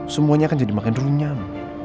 semuanya kan jadi makan runyam